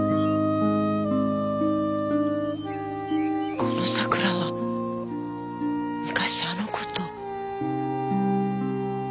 この桜は昔あの子と。